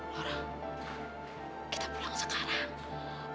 laura kita pulang sekarang